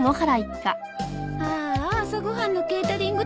あーあ朝ご飯のケータリング